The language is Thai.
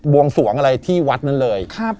วงสวงอะไรที่วัดนั้นเลย